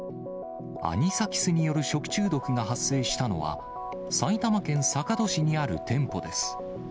アニサキスによる食中毒が発生したのは、埼玉県坂戸市にある店舗です。